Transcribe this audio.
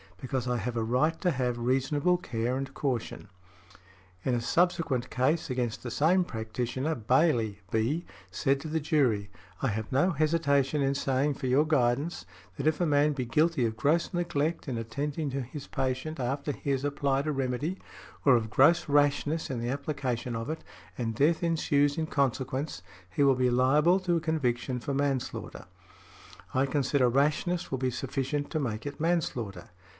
Because I have a right to have reasonable care and caution." In a subsequent case against the same practitioner, Bayley, B., said to the jury, "I have no hesitation in saying for your guidance, that if a man be guilty of gross neglect in attending to his patient after he has applied a remedy, or of gross rashness in the application of it, and death ensues in consequence, he will be liable to a conviction for manslaughter." "I consider rashness will be sufficient to make it manslaughter.